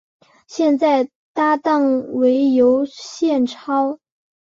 现在搭档为尤宪超。